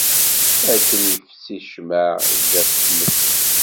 Akken ifessi ccmaɛ sdat tmes.